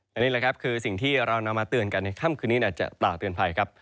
อันนี้แหละครับคือสิ่งที่เรานำมาเตือนกันในค่ำคืนนี้อาจจะกล่าวเตือนภัยครับ